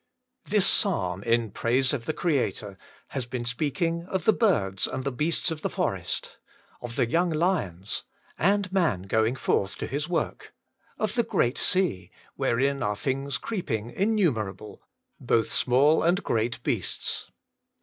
THIS Psalm, in praise of the Creator, has been speaking of the birds and the beasts of the forest ; of the young lions, and man going forth to his work ; of the great sea, wherein are things creeping innumerable, both small and great beasts.